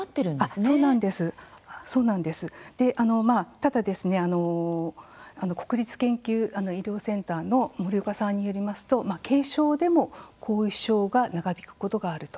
ただ国立緊急医療センターの森岡さんによりますと軽症でも後遺症が長引くことがあると。